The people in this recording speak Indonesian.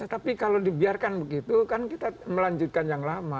tapi kalau dibiarkan begitu kan kita melanjutkan yang lama